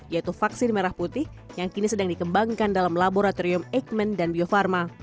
yaitu vaksin merah putih yang kini sedang dikembangkan dalam laboratorium eijkman dan bio farma